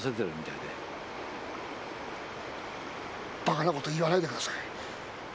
バカな事言わないでください。